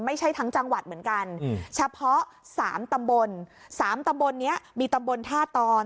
ไม่ใช่ทั้งจังหวัดเหมือนกันเฉพาะสามตำบลสามตำบลนี้มีตำบลท่าตอน